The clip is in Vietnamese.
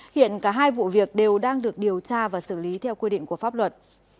hiện cả hai vụ việc đều đang được điều tra và xử lý theo quy định của pháp luật